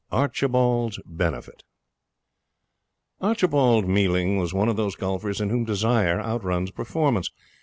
ARCHIBALD'S BENEFIT Archibald Mealing was one of those golfers in whom desire outruns performance.